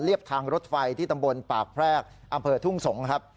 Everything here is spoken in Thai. ทางรถไฟที่ตำบลปากแพรกอำเภอทุ่งสงศ์ครับ